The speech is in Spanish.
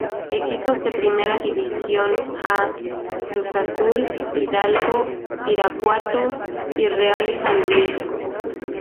Equipos de Primera División 'A': Cruz Azul Hidalgo, Irapuato y Real San Luis.